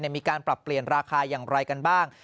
มีการปรับเปลี่ยนราคาอย่างไรกันบ้าง